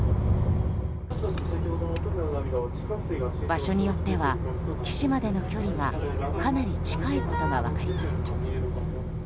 場所によっては岸までの距離がかなり近いことが分かります。